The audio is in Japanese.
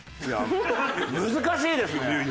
いや難しいですね。